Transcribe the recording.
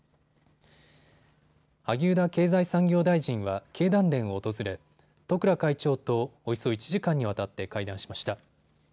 萩生田経済産業大臣は経団連を訪れ十倉会長とおよそ１時間にわたって会談しました。